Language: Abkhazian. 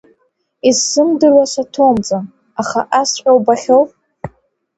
Исзымдыруа саҭоумҵан, аха асҵәҟьа убахьоу!